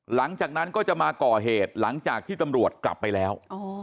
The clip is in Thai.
หลังจากนั้นก็จะมาก่อเหตุหลังจากที่ตำรวจกลับไปแล้ว